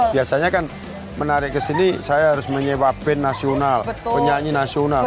biasanya kan menarik kesini saya harus menyewa pin nasional penyanyi nasional